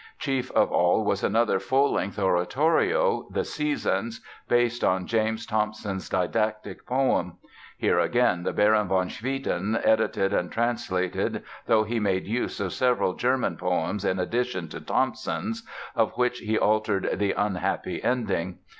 Chief of all was another full length oratorio, "The Seasons", based on James Thomson's didactic poem. Here again the Baron Van Swieten edited and translated, though he made use of several German poems in addition to Thomson's (of which he altered the "unhappy" ending).